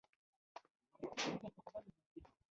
اوس به يې دوه نفره کړو.